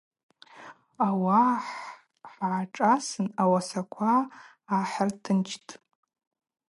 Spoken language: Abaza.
Ауаъа хӏгӏашӏасын ауасаква гӏахӏыртынчтӏ.